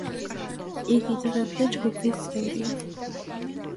იგი დღემდე ჯგუფის წევრია.